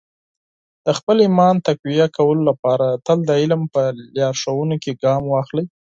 د خپل ایمان تقویه کولو لپاره تل د علم په لارښوونو کې ګام واخلئ.